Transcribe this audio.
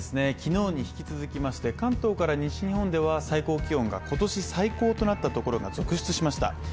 昨日に引き続きまして関東から西日本では最高気温が今年最高となったところが続出しました。